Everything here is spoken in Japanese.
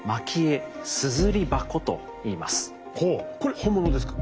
ほうこれ本物ですか？